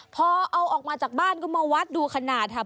พอเอาออกมาจากบ้านก็มาวัดดูขนาดค่ะ